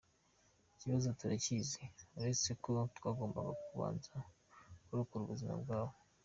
"Ikibazo turakizi uretse ko twagombaga kubanza kurokora ubuzima bwabo.